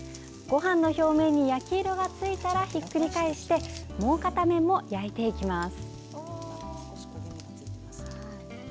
ごはんの表面に焼き色がついたらひっくり返してもう片面も焼いていきます。